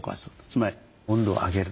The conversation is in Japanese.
つまり温度を上げる。